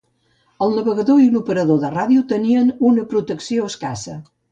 El navegador i l'operador de ràdio tenien una protecció escassa.